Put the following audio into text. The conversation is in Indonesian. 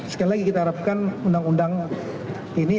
sekali lagi kita harapkan undang undang ini